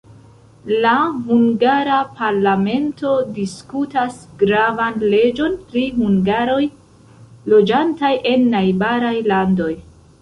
La hungara parlamento diskutas gravan leĝon pri hungaroj loĝantaj en najbaraj landoj.